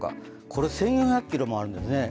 これ、１４００ｋｍもあるんですね。